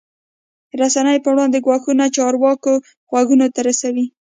رسنۍ پر وړاندې ګواښونه چارواکو غوږونو ته رسوي.